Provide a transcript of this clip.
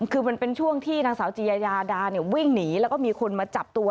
คือมันเป็นช่วงที่นางสาวจียาดาเนี่ยวิ่งหนีแล้วก็มีคนมาจับตัว